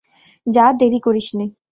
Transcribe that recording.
যা, দেরি করিস নে।